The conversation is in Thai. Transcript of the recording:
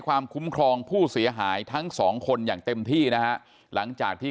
ความคุ้มครองผู้เสียหายทั้งสองคนอย่างเต็มที่นะฮะหลังจากที่